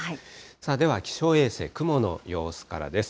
さあ、では気象衛星、雲の様子からです。